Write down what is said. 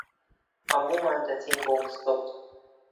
هەموومان دەچین بۆ مزگەوت.